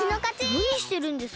なにしてるんですか？